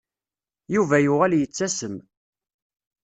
Yuba yuɣal yettasem.